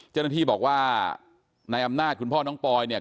เจ้าหน้าที่บอกว่านายอำนาจคุณพ่อน้องปอยเนี่ย